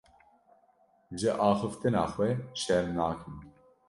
Ji axiftina xwe şerm nakim.